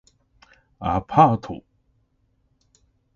アパート